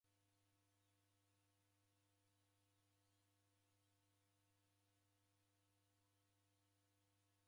Wafuma mzi ghwa Mwatate kavui na kwa w'eni Fajali.